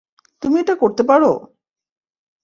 তুমি এটা করতে পার!